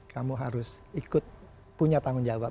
kamu harus ikut punya tanggung jawab